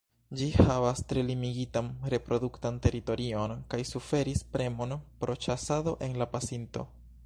Ĝi havas tre limigitan reproduktan teritorion kaj suferis premon pro ĉasado en la pasinto.